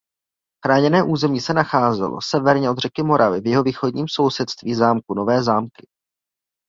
Chráněné území se nacházelo severně od řeky Moravy v jihovýchodním sousedství zámku Nové Zámky.